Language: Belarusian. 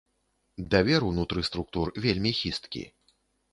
Давер унутры структур вельмі хісткі.